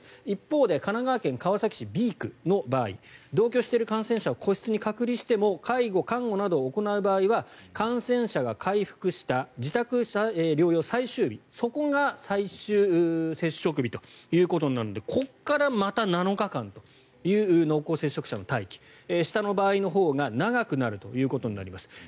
一方で神奈川県川崎市のＢ区の場合同居している感染者を個室に隔離して介護、看護などを行う場合は感染者が回復した自宅療養最終日そこが最終接触日ということになるのでここからまた７日間という濃厚接触者の待機下の場合のほうが長くなるということになります。